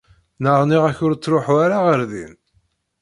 Naɣ nniɣ-ak ur ttṛuḥu ara ɣer din?